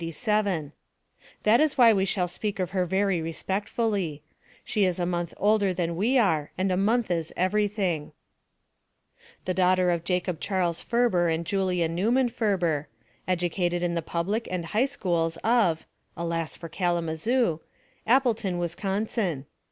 That is why we shall speak of her very re 292 EDNA FERBER 293 spectfully. She is a month older than we are and a month is everything. The daughter of Jacob Charles Ferber and Julia (Neuman) Ferber. Educated in the public and higK schools of alas for Kalamazoo! Appleton, Wis consin.